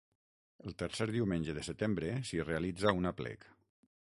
El tercer diumenge de setembre s'hi realitza un aplec.